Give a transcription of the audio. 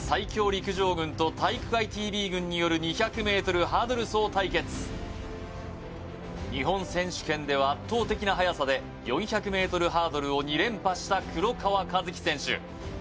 陸上軍と体育会ＴＶ軍による２００ｍハードル走対決日本選手権では圧倒的な速さで４００ｍハードルを２連覇した黒川和樹選手